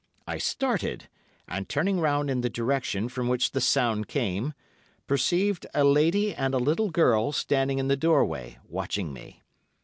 I started, and, turning round in the direction from which the sound came, perceived a lady and a little girl standing in the doorway watching me.